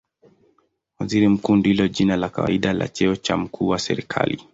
Waziri Mkuu ndilo jina la kawaida la cheo cha mkuu wa serikali.